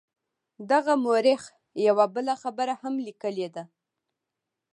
دغه مورخ یوه بله خبره هم لیکلې ده.